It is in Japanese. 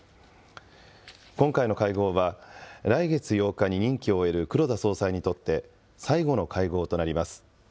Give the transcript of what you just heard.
今回の会合は、来月８日に任期を終える黒田総裁にとって、最後の会合となります。